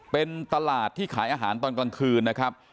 เป็นตลาดที่ขายอาหารตอนกลางคืนนะครับ